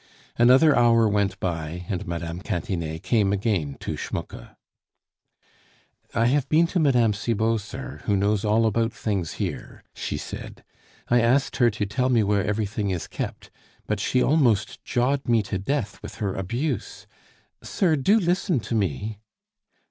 Another hour went by, and Mme. Cantinet came again to Schmucke. "I have been to Mme. Cibot, sir, who knows all about things here," she said. "I asked her to tell me where everything is kept. But she almost jawed me to death with her abuse.... Sir, do listen to me...."